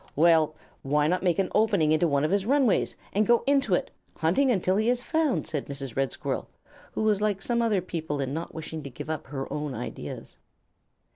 "Well, why not make an opening into one of his runways and go into it, hunting until he is found?" said Mrs. Red Squirrel, who was like some other people in not wishing to give up her own ideas.